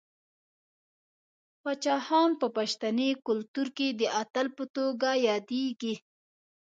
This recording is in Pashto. باچا خان په پښتني کلتور کې د اتل په توګه یادیږي.